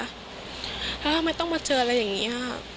แล้วทำไมต้องมาเจออะไรอย่างนี้